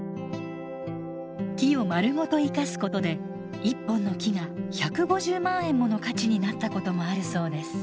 木をまるごと生かすことで１本の木が１５０万円もの価値になったこともあるそうです。